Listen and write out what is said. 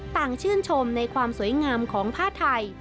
ต่างชื่นชมในความสวยงามของผ้าไทย